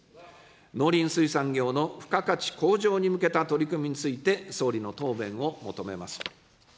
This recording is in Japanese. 農林水産業の付加価値向上に向けた取り組みについて総理の答弁を求めます。